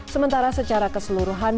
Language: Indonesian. sementara secara keseluruhan